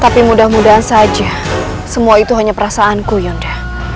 tapi mudah mudahan saja semua itu hanya perasaanku yudha